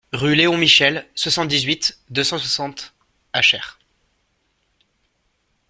Rue Léon Michel, soixante-dix-huit, deux cent soixante Achères